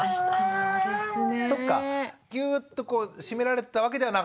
そうですよね。